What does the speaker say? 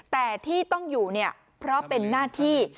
แต่ที่ต้องอยู่เนี่ยเพราะเป็นหน้าที่